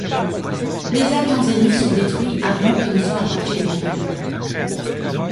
Les avions ennemis sont détruits avant qu'ils ne soient à portée des navires lourds.